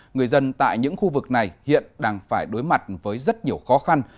người dân tại những khu vực này hiện đang phải đối mặt với rất nhiều khó khăn